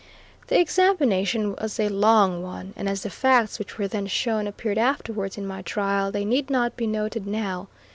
The examination was a long one, and as the facts which were then shown appeared afterwards in my trial they need not be noted now.